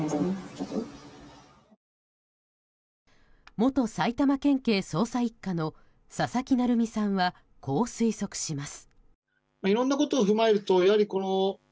元埼玉県警捜査１課の佐々木成三さんはこう推測します。